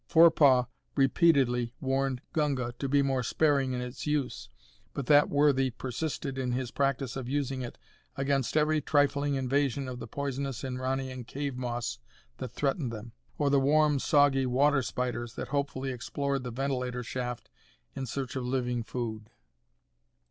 Forepaugh repeatedly warned Gunga to be more sparing in its use, but that worthy persisted in his practice of using it against every trifling invasion of the poisonous Inranian cave moss that threatened them, or the warm, soggy water spiders that hopefully explored the ventilator shaft in search of living food.